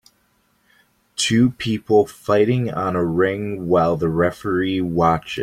two people fighting on a ring while the referee watches.